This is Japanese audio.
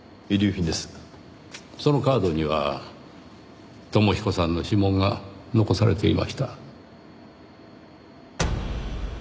そのカードには友彦さんの指紋が残されていました。